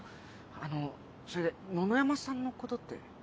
あのそれで野々山さんのことって？